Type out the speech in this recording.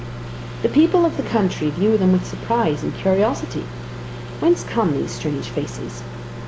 The people of the country view them with surprise and curiosity. Whence come these strange faces?